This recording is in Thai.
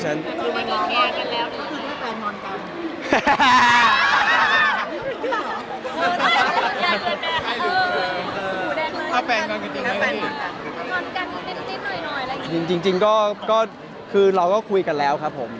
จริงก็คือเราก็คุยกันแล้วครับผม